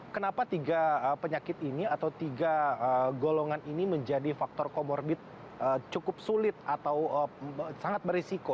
kenapa tiga penyakit ini atau tiga golongan ini menjadi faktor comorbid cukup sulit atau sangat berisiko